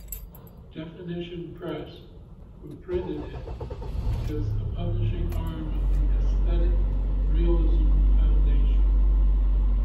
Definition Press, who printed it, is the publishing arm of the Aesthetic Realism Foundation.